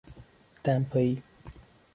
دمپایی